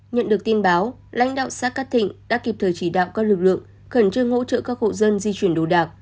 nhận được tin báo lãnh đạo xã cát thịnh đã kịp thời chỉ đạo các lực lượng khẩn trương hỗ trợ các hộ dân di chuyển đồ đạc